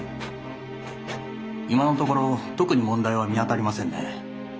今のところ特に問題は見当たりませんね。